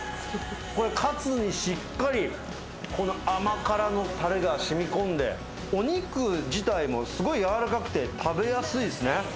これ、カツにしっかりこの甘辛のたれがしみこんで、お肉自体もすごい柔らかくて、食べやすいですね。